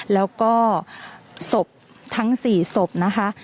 แล้วก็สบทั้ง๔สบนะคะ